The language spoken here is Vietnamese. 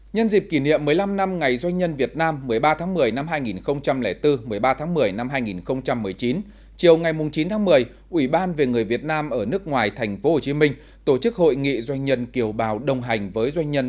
nhân dịp kỷ niệm một mươi năm năm ngày doanh nhân việt nam một mươi ba tháng một mươi năm hai nghìn bốn một mươi ba tháng một mươi năm hai nghìn một mươi chín chiều ngày chín tháng một mươi ubnd ở nước ngoài tp hcm tổ chức hội nghị doanh nhân kiều bảo đồng hành với doanh nhân tp hcm